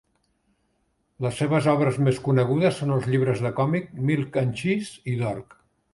Les seves obres més conegudes són els llibres de còmic "Milk and Cheese" i "Dork".